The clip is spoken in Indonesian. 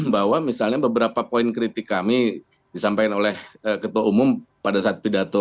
bahwa misalnya beberapa poin kritik kami disampaikan oleh ketua umum pada saat pidato